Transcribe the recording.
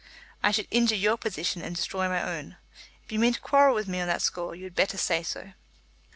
I should injure your position and destroy my own. If you mean to quarrel with me on that score, you had better say so."